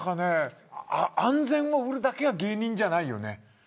安全を売るだけが芸人ではないよね。